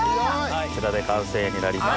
こちらで完成になります。